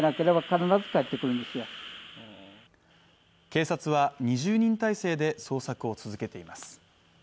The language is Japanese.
警察は２０人態勢で捜索を続けています。